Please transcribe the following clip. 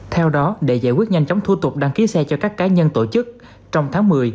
theo đó để giải quyết nhanh chóng thu tục đăng ký xe cho các cá nhân tổ chức trong tháng một mươi